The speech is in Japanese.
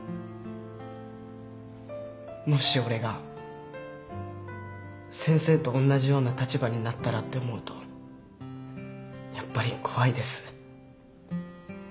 もし俺が先生とおんなじような立場になったらって思うとやっぱり怖いです。